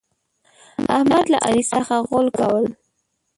احمد له علي څخه غول کول.